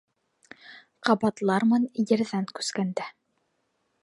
Ҡабатлармын ерҙән күскәндә...